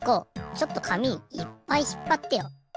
ちょっと紙いっぱいひっぱってよ。